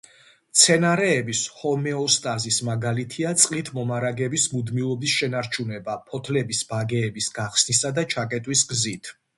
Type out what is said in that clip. მცენარეების ჰომეოსტაზის მაგალითია წყლით მომარაგების მუდმივობის შენარჩუნება ფოთლების ბაგეების გახსნისა და ჩაკეტვის გზით.